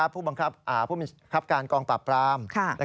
ผู้บังคับการกองปราบปราม